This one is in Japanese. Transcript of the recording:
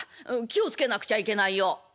気を付けなくちゃいけないよ」。